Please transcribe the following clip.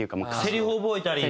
せりふ覚えたり？